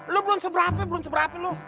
lo belum seberapa belum seberapa lu